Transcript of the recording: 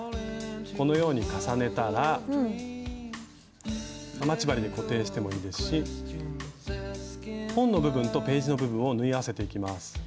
このように重ねたら待ち針で固定してもいいですし本の部分とページの部分を縫い合わせていきます。